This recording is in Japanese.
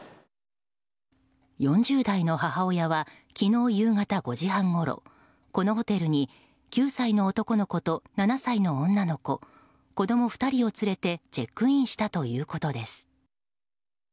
４０代の母親は昨日夕方５時半ごろこのホテルに９歳の男の子と７歳の女の子子供２人を連れてチェックインしたということです。